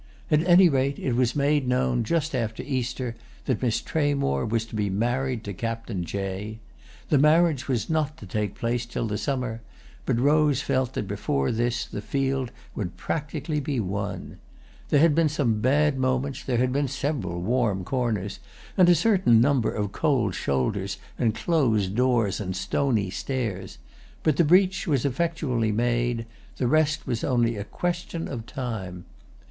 At any rate it was made known, just after Easter, that Miss Tramore was to be married to Captain Jay. The marriage was not to take place till the summer; but Rose felt that before this the field would practically be won. There had been some bad moments, there had been several warm corners and a certain number of cold shoulders and closed doors and stony stares; but the breach was effectually made—the rest was only a question of time.